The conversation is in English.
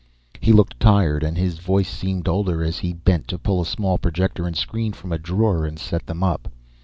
He looked tired, and his voice seemed older as he bent to pull a small projector and screen from a drawer and set them up.